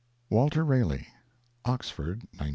WALTER RALEIGH. OXFOED, 1912.